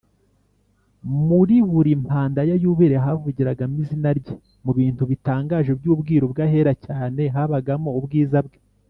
. Muri buri mpanda ya yubile havugiragamo izina Rye. Mu bintu bitangaje by’ubwiru bw’Ahera Cyane habagamo ubwiza Bwe.